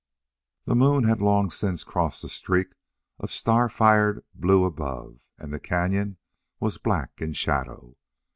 The moon had long since crossed the streak of star fired blue above and the cañon was black in shadow.